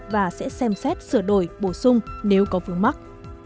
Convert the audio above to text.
và sẽ xem xét sửa đổi bổ sung nếu có vướng mắc